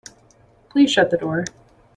Please shut the door.